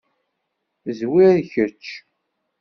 Zwir kečč.